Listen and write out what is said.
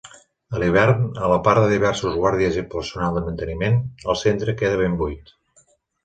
A l'hivern, a part de diversos guàrdies i el personal de manteniment, el centre queda buit.